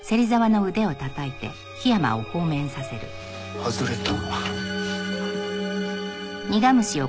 外れた。